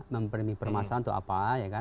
mempernih permasalahan atau apa